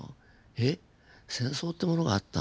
えっ戦争ってものがあったの？